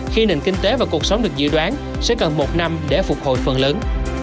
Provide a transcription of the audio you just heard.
khi nền kinh tế và cuộc sống được dự đoán sẽ cần một năm để phục hồi phần lớn